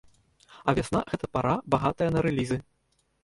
А вясна, гэта пара, багатая на рэлізы.